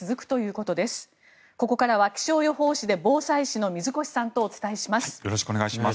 ここからは気象予報士で防災士の水越さんとお伝えします。